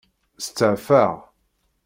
Stafeɣ.